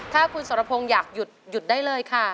ถ้าคุณสรพงศ์อยากหยุดหยุดได้เลยค่ะ